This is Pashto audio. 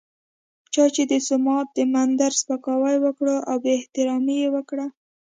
چا چې د سومنات د مندر سپکاوی وکړ او بې احترامي یې وکړه.